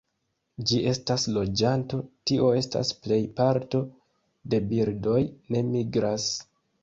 Ĝi estas loĝanto, tio estas plej parto de birdoj ne migras.